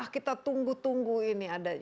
kita tunggu tunggu ini ada